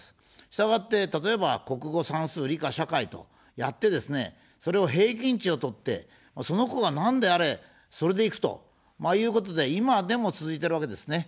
したがって、例えば国語、算数、理科、社会とやってですね、それを平均値を取って、その子が何であれ、それでいくということで、今でも続いてるわけですね。